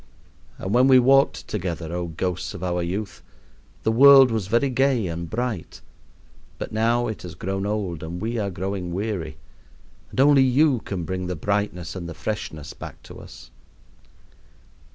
And when we walked together, oh, ghosts of our youth, the world was very gay and bright; but now it has grown old and we are growing weary, and only you can bring the brightness and the freshness back to us.